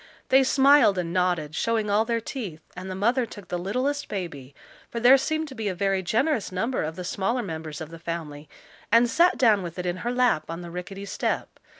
They smiled and nodded, showing all their teeth, and the mother took the littlest baby, for there seemed to be a very generous number of the smaller members of the family, and sat down with it in her lap on the rickety step.